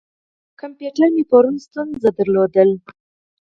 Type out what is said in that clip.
کمپیوټر مې پرون ستونزه لرله.